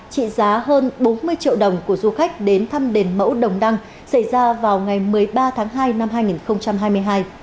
trị giá hơn bốn mươi triệu đồng của du khách đến thăm đền mẫu đồng đăng xảy ra vào ngày một mươi ba tháng hai năm hai nghìn hai mươi hai